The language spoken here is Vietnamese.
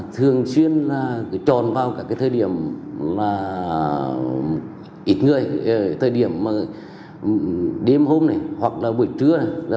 thường xuyên là tròn vào các cái thời điểm là ít người thời điểm đêm hôm này hoặc là buổi trưa là